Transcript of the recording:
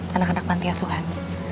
bagi sebab anak anak panti asuhan